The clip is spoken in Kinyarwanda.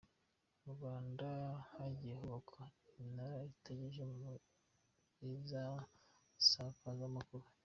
Mu Rwanda hagiye kubakwa iminara ikataje mu isakazamakuru